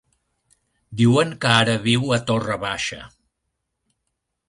Diuen que ara viu a Torre Baixa.